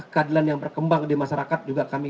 keadilan yang berkembang di masyarakat juga kami